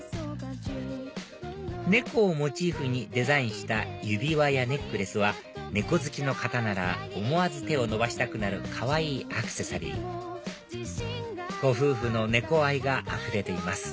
猫をモチーフにデザインした指輪やネックレスは猫好きの方なら思わず手を伸ばしたくなるかわいいアクセサリーご夫婦の猫愛があふれています